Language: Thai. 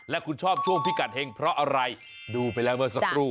และคุณชอบช่วงพิกัดเฮงเพราะอะไรดูไปแล้วเมื่อสักครู่